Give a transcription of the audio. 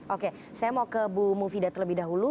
oke saya mau ke bu mufidat lebih dahulu